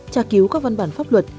tra cứu các văn bản pháp luật